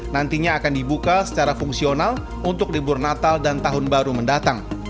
nantinya akan dibuka secara fungsional untuk libur natal dan tahun baru mendatang